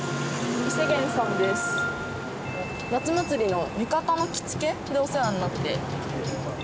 夏祭りの浴衣の着付けでお世話になって。